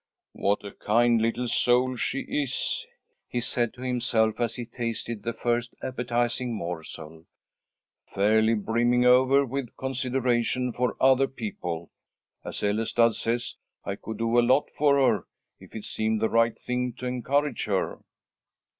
"What a kind little soul she is," he said to himself, as he tasted the first appetizing morsel, "fairly brimming over with consideration for other people. As Ellestad says, I could do a lot for her, if it seemed the right thing to encourage her."